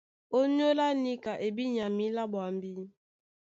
ÓnyÓlá níka e bí nya mǐlá ɓwambí?